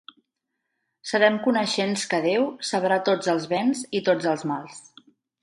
Serem coneixents que Déu sabrà tots els béns i tots els mals.